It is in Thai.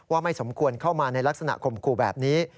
ว่าไม่สมควรเข้ามาในลักษณะกลมกลูกแบบนี้